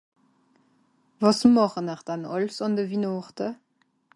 Wàs màche-n-r dann àls àn de Wihnàchte ?